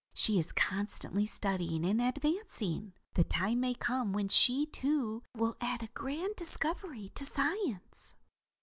She is constantly studying and advancing. The time may come when she, too, will add a grand discovery to science.